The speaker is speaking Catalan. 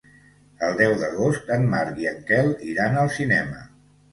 El deu d'agost en Marc i en Quel iran al cinema.